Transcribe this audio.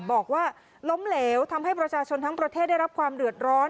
บอกว่าล้มเหลวทำให้ประชาชนทั้งประเทศได้รับความเดือดร้อน